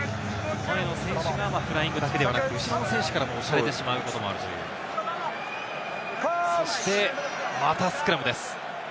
前の選手がフライングだけではなく、下の選手から押されてしまうこともあるという、そして、またスクラムです。